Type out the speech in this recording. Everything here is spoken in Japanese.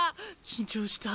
緊張した。